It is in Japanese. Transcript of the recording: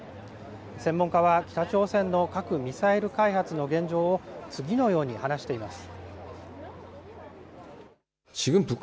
専門家は北朝鮮の核・ミサイル開発の現状を、次のように話しています。